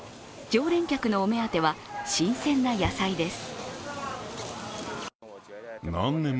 常連客のお目当ては、新鮮な野菜です。